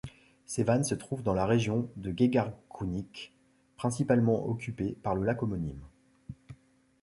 Sevan se trouve dans la région de Gegharkunik, principalement occupée par le lac homonyme.